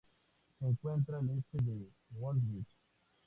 Se encuentra al este de Woolwich.